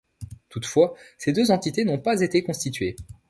Toutefois, ces deux entités n'ont pas été constituées.